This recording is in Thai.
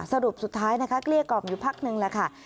สรุปสุดท้ายนะคะเกลี้ยกล่อมอยู่พักนึงแหละค่ะ